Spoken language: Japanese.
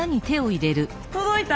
届いた。